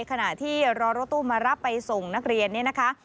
ขณะที่รอรถตู้มารับไปส่งนักเรียนเนี่ยนะคะ